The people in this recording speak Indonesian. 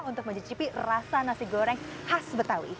untuk mencicipi rasa nasi goreng khas betawi